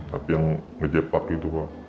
tapi yang ngejepak gitu pak